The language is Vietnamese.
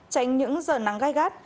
ba tránh những giờ nắng gai gát